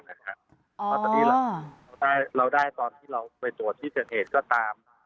เพราะตอนนี้เราได้ต้องไปจวดที่เสียงเหตุก็ตาม